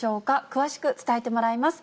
詳しく伝えてもらいます。